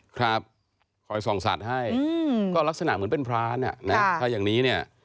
ครับคอยส่องสัตว์ให้ก็ลักษณะเหมือนเป็นพรานอ่ะนะถ้าอย่างนี้เนี่ย